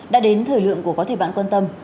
đã đến thời lượng của có thể bạn quan tâm